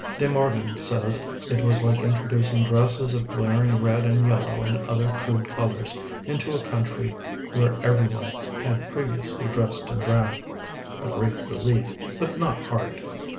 De Morgan says it was like introducing dresses of glaring red and yellow and other crude colors into a country where every one had previously dressed in drab a great relief, but not art.